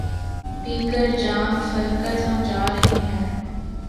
پی کر جام فرقت ہم جا رہے ہیں